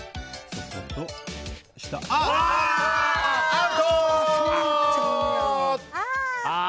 アウトー！